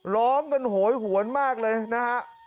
ร้องกันโหยหวนมากเลยนะฮะ